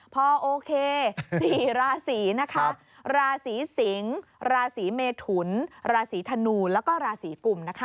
พอโอเคสี่ราศรีราศรีสิงศ์ราศรีเมทุนราศรีธนูแล้วก็ราศรีกุม